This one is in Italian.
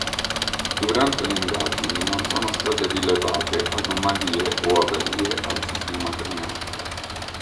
Durante le indagini non sono state rilevate anomalie o avarie al sistema frenante.